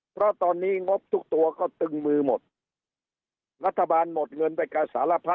เพราะตอนนี้งบทุกตัวก็ตึงมือหมดรัฐบาลหมดเงินไปกับสารพัด